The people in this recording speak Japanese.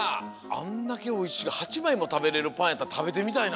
あんだけおいしく８まいもたべれるパンやったらたべてみたいな。